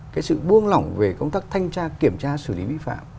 cái sự buông lỏng về công tác thanh tra kiểm tra xử lý vi phạm